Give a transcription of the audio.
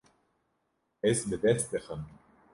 Ez bi dest dixim.